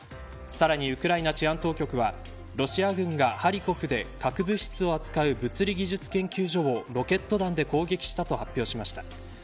さらにウクライナ治安当局はロシア軍がハリコフで核物質を扱う物理技術研究所をロケット弾で攻撃したと発表しました。